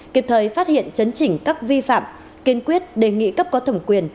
kịp thời phát hiện chấn chỉnh các vi phạm kiên quyết đề nghị cấp có thẩm quyền